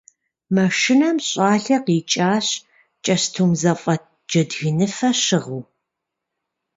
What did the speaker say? Машинэм щӀалэ къикӀащ кӀэстум зэфӀэт джэдгыныфэ щыгъыу.